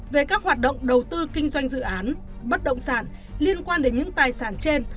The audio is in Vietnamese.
về các hoạt động đầu tư kinh doanh dự án bất động sản liên quan đến những tài sản trên